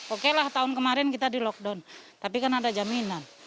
oke lah tahun kemarin kita di lockdown tapi kan ada jaminan